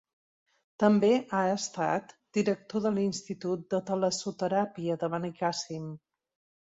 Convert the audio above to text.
També ha estat director de l'Institut de Talassoteràpia de Benicàssim.